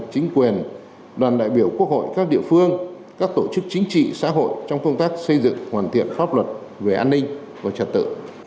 chính quyền đoàn đại biểu quốc hội các địa phương các tổ chức chính trị xã hội trong công tác xây dựng hoàn thiện pháp luật về an ninh và trật tự